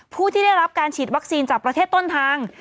ผู้ที่ได้รับการฉีดวัคซีนจากประเทศต้นทาง